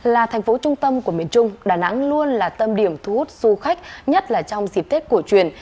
là thành phố trung tâm của miền trung đà nẵng luôn là tâm điểm thu hút du khách nhất là trong dịp tết cổ truyền